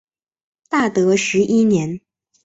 大德十一年。